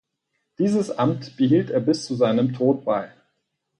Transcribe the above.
Dieses Amt behielt er bis zu seinem Tod bei.